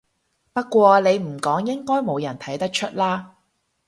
不過你唔講應該冇人睇得出啦